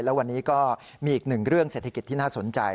และวันนี้ก็มีอีกหนึ่งเรื่องเศรษฐกิจที่น่าสนใจ